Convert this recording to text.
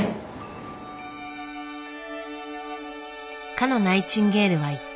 かのナイチンゲールは言った。